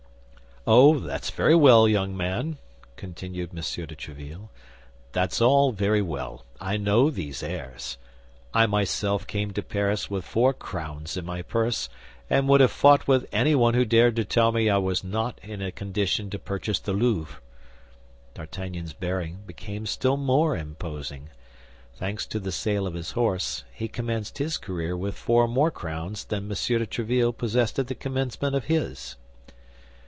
"Oh, that's very well, young man," continued M. de Tréville, "that's all very well. I know these airs; I myself came to Paris with four crowns in my purse, and would have fought with anyone who dared to tell me I was not in a condition to purchase the Louvre." D'Artagnan's bearing became still more imposing. Thanks to the sale of his horse, he commenced his career with four more crowns than M. de Tréville possessed at the commencement of his.